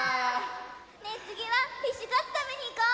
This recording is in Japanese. ねえつぎはフィッシュカツたべにいこう！